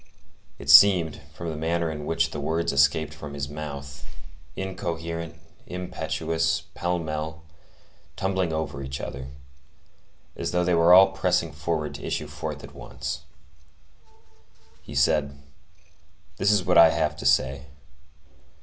It seemed, from the manner in which the words escaped from his mouth,—incoherent, impetuous, pell mell, tumbling over each other,—as though they were all pressing forward to issue forth at once. He said:— "This is what I have to say.